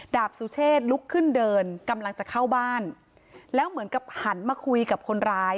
บสุเชษลุกขึ้นเดินกำลังจะเข้าบ้านแล้วเหมือนกับหันมาคุยกับคนร้าย